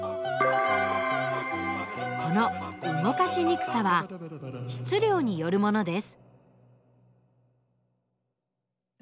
この動かしにくさは「質量」によるものです。